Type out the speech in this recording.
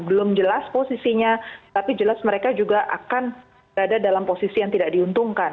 belum jelas posisinya tapi jelas mereka juga akan berada dalam posisi yang tidak diuntungkan